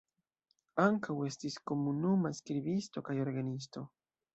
Ankaŭ estis komunuma skribisto kaj orgenisto.